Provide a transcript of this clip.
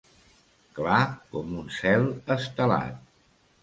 Clar com un cel estelat.